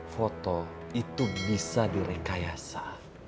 foto itu bisa direkayasa